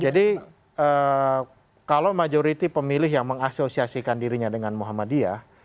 jadi kalau majoriti pemilih yang mengasosiasikan dirinya dengan muhammadiyah